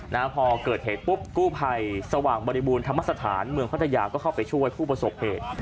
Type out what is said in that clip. นะฮะพอเกิดเหตุปุ๊บกู้ภัยสว่างบริบูรณธรรมสถานเมืองพัทยาก็เข้าไปช่วยผู้ประสบเหตุ